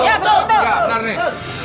iya benar nih